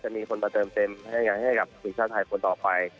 มีคนมาเติมเต็มให้กับทีมชาติไทยคนต่อไป